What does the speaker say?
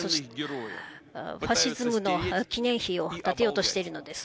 ファシズムの記念碑を建てようとしているのです。